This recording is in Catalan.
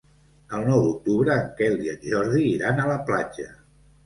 El nou d'octubre en Quel i en Jordi iran a la platja.